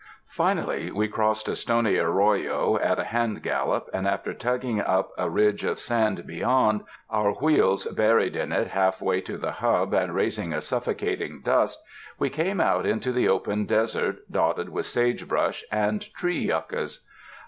Finally we crossed a stony arroyo at a hand gallop, and after tugging up a ridge of sand beyond, our wheels buried in it halfway to the hub and raising a suffocating dust, we came out into the open desert dotted with sage brush and tree yuccas.